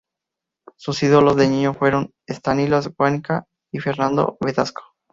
Sus ídolos de niño fueron Stanislas Wawrinka y Fernando Verdasco.